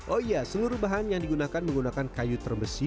oh iya seluruh bahan yang digunakan menggunakan kayu terbesi